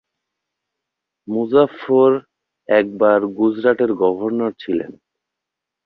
মুজাফফর একবার গুজরাটের গভর্নর ছিলেন।